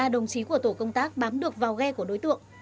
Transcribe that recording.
ba đồng chí của tổ công tác bám được vào ghe của đối tượng